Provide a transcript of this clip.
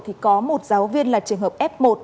thì có một giáo viên là trường hợp f một